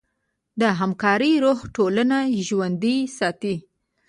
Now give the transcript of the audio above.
د همکارۍ روح ټولنه ژوندۍ ساتي.